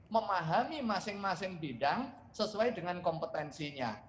memahami masing masing bidang sesuai dengan kompetensinya